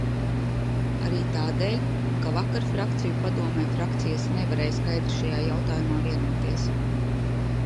Arī tādēļ, ka vakar Frakciju padomē frakcijas nevarēja skaidri šajā jautājumā vienoties.